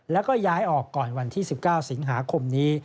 แล้วก็ย้ายออกก่อนวันที่๑๙สิงหาคมนี้